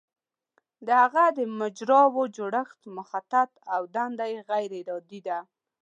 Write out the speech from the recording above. د هغه د مجراوو جوړښت مخطط او دنده یې غیر ارادي ده.